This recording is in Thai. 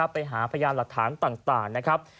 พยานหลักฐานต่างนะครับ